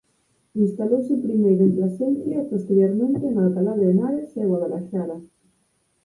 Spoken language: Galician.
Instalouse primeiro en Plasencia e posteriormente en Alcalá de Henares e Guadalaxara.